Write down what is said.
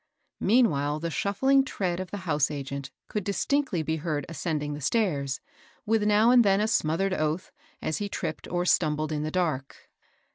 Meanwhile the shuffling tread of the house agent could distinctly be heard ascending the stairs, with now and then a smothered oath, as he tripped or stumbled in the dark.